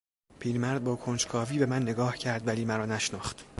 پیرمرد با کنجکاوی به من نگاه کرد ولی مرا نشناخت.